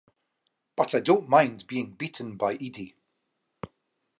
But I don’t mind being beaten by Edie.